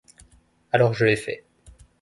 Alors je l’ai fait.